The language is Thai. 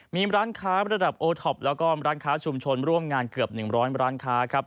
มีร้านค้าระดับโอท็อปแล้วก็ร้านค้าชุมชนร่วมงานเกือบ๑๐๐ร้านค้าครับ